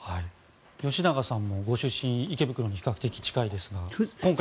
吉永さんもご出身池袋に比較的近いですが。